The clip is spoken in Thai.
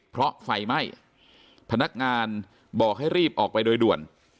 เพราะไฟไหม้พนักงานบอกให้รีบออกไปโดยด่วน